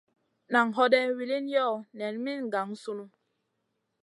Nan hoday wilin yoh? Nen min gang sunu.